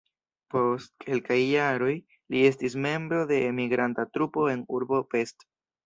Post kelkaj jaroj li estis membro de migranta trupo en urbo Pest.